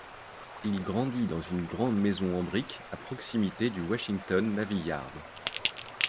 Il grandit dans une grande maison en brique à proximité du Washington Navy Yard.